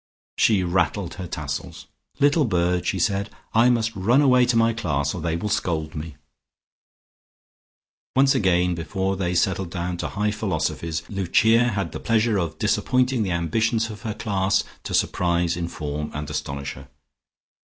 She rattled her tassels. "Little bird!" she said. "I must run away to my class, or they will scold me." Once again before they settled down to high philosophies, Lucia had the pleasure of disappointing the ambitions of her class to surprise, inform and astonish her.